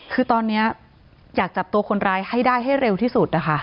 คือตอนนี้อยากจับตัวคนร้ายให้ได้ให้เร็วที่สุดนะคะ